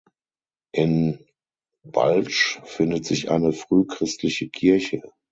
In Ballsh findet sich eine frühchristliche Kirche.